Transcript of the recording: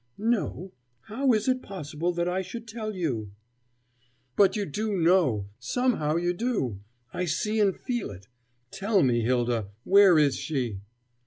"No. How is it possible that I should tell you?" "But you do know! Somehow you do! I see and feel it. Tell it me, Hylda! Where is she?"